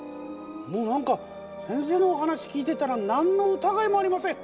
もう何か先生のお話聞いてたら何のうたがいもありません。